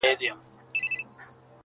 • د څپو د زور یې نه ول مړوندونه -